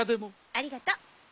ありがとう。